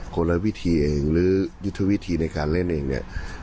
คนละวิธีเองหรือยุทธวิธีในการเล่นเองเนี่ย